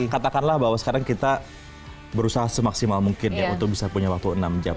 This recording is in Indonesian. katakanlah bahwa sekarang kita berusaha semaksimal mungkin ya untuk bisa punya waktu enam jam